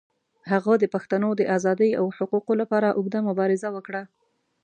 هغه د پښتنو د آزادۍ او حقوقو لپاره اوږده مبارزه وکړه.